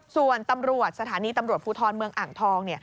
ส่วนตำรวจสถานีตำรวจภูทรเมืองอ่างทอง